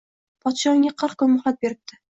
Podsho unga qirq kun muhlat beribdi